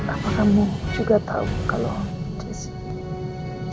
apa kamu juga tahu kalau desi